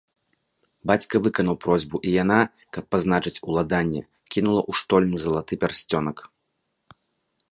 Бацька выканаў просьбу і яна, каб пазначыць уладанне, кінула ў штольню залаты пярсцёнак.